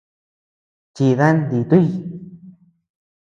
Chidan dituuy.